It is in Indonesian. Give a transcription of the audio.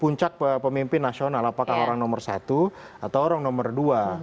puncak pemimpin nasional apakah orang nomor satu atau orang nomor dua